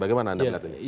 bagaimana anda melihat ini